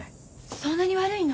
そんなに悪いの？